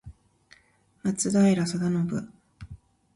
松平定信